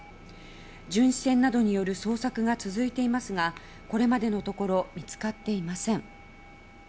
巡視船などによる捜索が続いていますがこれまでのところ見つかっていません。